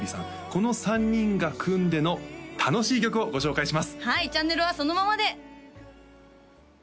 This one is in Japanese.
この３人が組んでの楽しい曲をご紹介します